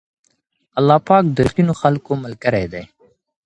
الله پاک د رښتينو خلکو ملګری دی.